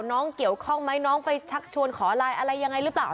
น้องเกี่ยวข้องไหมน้องไปชักชวนขอไลน์อะไรยังไงหรือเปล่า